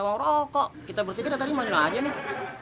kita mau rokok kita bertiga datang lima juta aja nih